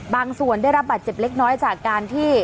ได้รับบาดเจ็บเล็กน้อยจากการที่